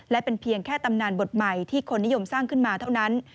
และเป็นเพียงแค่ตำนานบทใหม่ที่คนนิยมสร้างขึ้นมาเท่านั้น